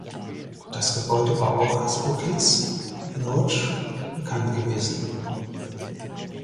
Das Gebäude war auch als Burkitt’s Lodge bekannt gewesen.